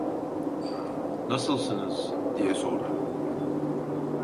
"Nasılsınız?" diye sordu.